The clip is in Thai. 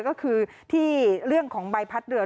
ก็คือที่เรื่องของใบพัดเรือ